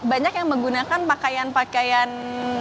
banyak yang menggunakan pakaian pakaian